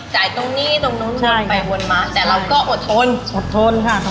จ่ายตรงนี้ตรงนู้นวนไปวนมาแต่เราก็อดทนอดทนค่ะ